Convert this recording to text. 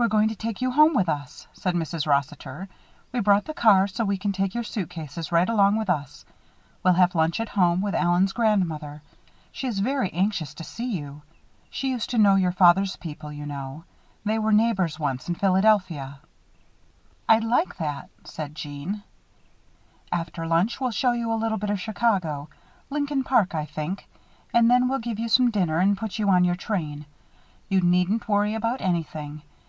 "We're going to take you home with us," said Mrs. Rossiter. "We brought the car so we can take your suitcase right along with us. We'll have lunch at home, with Allen's grandmother. She is very anxious to see you; she used to know your father's people, you know. They were neighbors once, in Philadelphia." "I'll like that," said Jeanne. "After lunch, we'll show you a little bit of Chicago Lincoln Park, I think and then we'll give you some dinner and put you on your train. You needn't worry about anything.